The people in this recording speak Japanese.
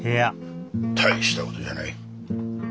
大した事じゃない。